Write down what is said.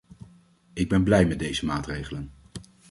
Ik ben blij met deze maatregelen.